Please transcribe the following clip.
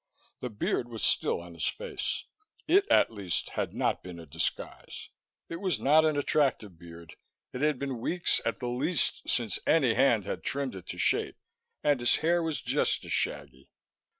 The beard was still on his face; it, at least, had not been a disguise. It was not an attractive beard. It had been weeks, at the least, since any hand had trimmed it to shape and his hair was just as shaggy.